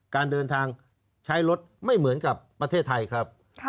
การเดินทางใช้รถไม่เหมือนกับประเทศไทยครับ